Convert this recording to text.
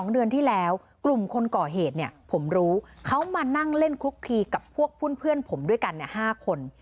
๒เดือนที่แล้วกลุ่มคนก่อเหตุเนี่ยผมรู้เขามานั่งเล่นคลุกคีกับพวกเพื่อนผมด้วยกัน๕คน